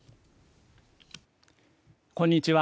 こんにちは。